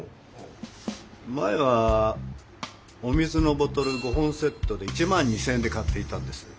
前はお水のボトル５本セットで１２０００円で買っていたんです。